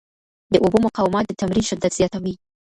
د اوبو مقاومت د تمرین شدت زیاتوي.